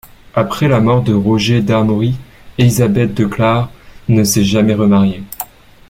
Après la mort de Roger d'Amory, Élisabeth de Clare ne s'est jamais remariée.